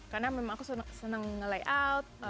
karena memang aku seneng nge layout